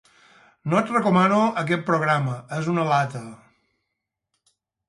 No et recomano aquest programa: és una lata.